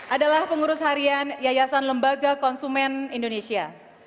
adalah pengurus harian yayasan lembaga konsumen indonesia